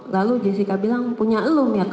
lalu jessica bilang punya elu mirna